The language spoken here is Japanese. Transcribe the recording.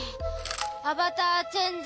アバターチェンジ！